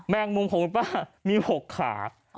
งมุมของคุณป้ามี๖ขา